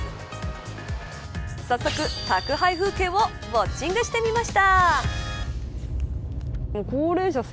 早速、宅配風景をウオッチングしてみました。